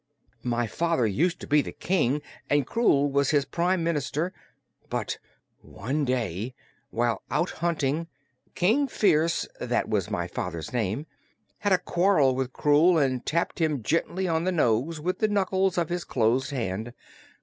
"My father used to be the King and Krewl was his Prime Minister. But one day while out hunting, King Phearse that was my father's name had a quarrel with Krewl and tapped him gently on the nose with the knuckles of his closed hand.